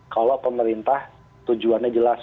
kalau pemerintah tujuannya jelas